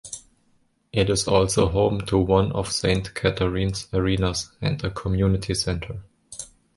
It is also home to one of Saint Catharines' arenas, and a Community Centre.